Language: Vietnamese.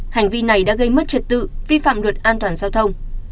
hành vi này đã gây mất trật tự vi phạm luật an toàn giao thông